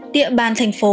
địa bàn thành phố